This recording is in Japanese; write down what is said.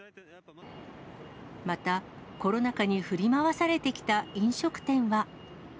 また、コロナ禍に振り回されてきた飲食店は。